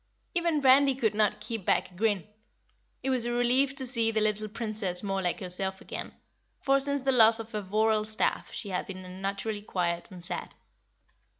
Even Randy could not keep back a grin. It was a relief to see the little Princess more like herself again, for since the loss of her voral staff she had been unnaturally quiet and sad.